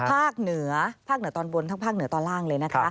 ภาคเหนือภาคเหนือตอนบนทั้งภาคเหนือตอนล่างเลยนะคะ